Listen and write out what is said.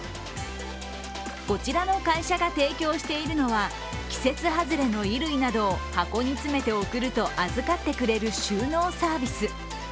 こちらの会社が提供しているのは季節外れの衣類などを箱に詰めて送ると預かってくれる収納サービス。